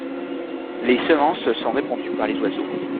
Les semences sont répandues par les oiseaux.